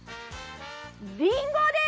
りんごです！